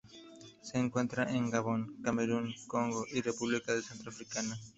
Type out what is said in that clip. Se encuentra en Gabón, Camerún, Congo y República Centroafricana.